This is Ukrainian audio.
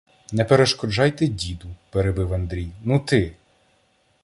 — Не перешкоджайте, діду, — перебив Андрій, — ну ти.